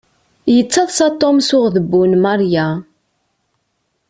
Yettaḍsa Tom s uɣdebbu n Maria.